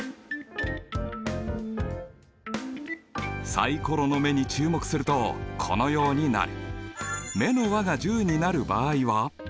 サイコロの目に注目するとこのようになる。